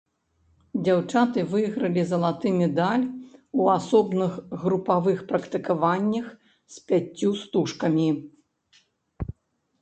Дзяўчаты выйгралі залаты медаль у асобных групавых практыкаваннях з пяццю стужкамі.